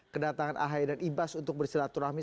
kedatangan ahy dan ibas untuk bersilaturahmi